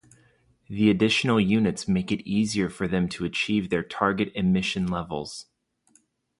The additional units make it easier for them to achieve their target emission levels.